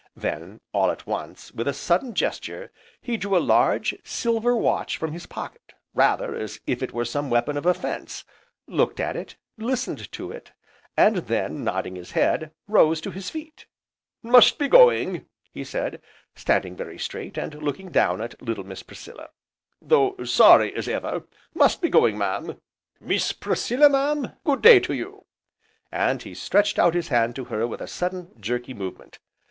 Then, all at once, with a sudden gesture he drew a large, silver watch from his pocket, rather as if it were some weapon of offence, looked at it, listened to it, and then nodding his head, rose to his feet. "Must be going," he said, standing very straight, and looking down at little Miss Priscilla, "though sorry, as ever, must be going, mam, Miss Priscilla mam good day to you!" And he stretched out his hand to her with a sudden, jerky movement.